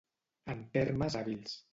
En termes hàbils.